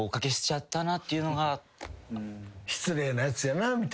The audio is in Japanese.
「失礼なやつやな」みたいな？